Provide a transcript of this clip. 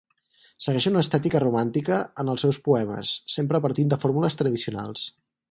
Segueix una estètica romàntica en els seus poemes, sempre partint de fórmules tradicionals.